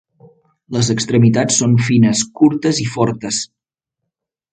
Les extremitats són fines, curtes i fortes.